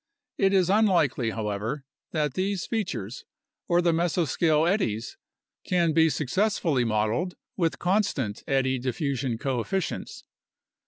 It is unlikely, however, that these features, or the mesoscale eddies, can be successfully modeled with constant eddy diffusion coefficients.